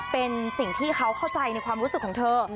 เป็นสิ่งที่เขาเข้าใจในความรู้สึกของเธอ